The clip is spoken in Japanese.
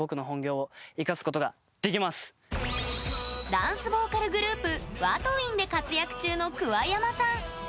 ダンスボーカルグループＷＡＴＷＩＮＧで活躍中の桑山さん。